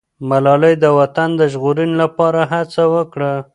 ملالۍ د وطن د ژغورنې لپاره هڅه وکړه.